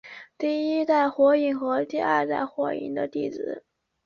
第一代火影和第二代火影的弟子。